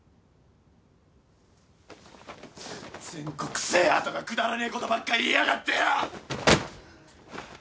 全国制覇とかくだらねえことばっか言いやがってよ！